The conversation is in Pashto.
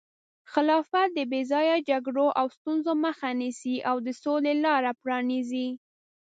خلافت د بې ځایه جګړو او ستونزو مخه نیسي او د سولې لاره پرانیزي.